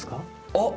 あっ！